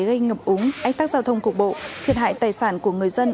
gây ngập úng ách tác giao thông cục bộ thiệt hại tài sản của người dân